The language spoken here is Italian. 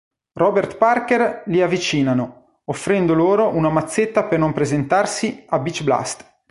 Robert Parker li avvicinano, offrendo loro una mazzetta per non presentarsi a "Beach Blast".